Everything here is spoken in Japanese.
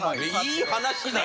いい話だ。